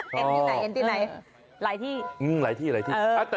เห็นอยู่ไหนไหลที่